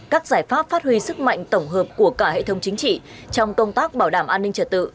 các giải pháp phát huy sức mạnh tổng hợp của cả hệ thống chính trị trong công tác bảo đảm an ninh trật tự